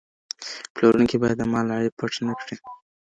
پلورونکی بايد د مال عيب پټ نه کړي.